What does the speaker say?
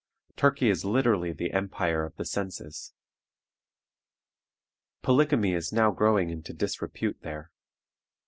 Turkey is literally the empire of the senses. Polygamy is now growing into disrepute there.